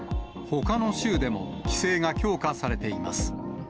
ほかの州でも、規制が強化されています。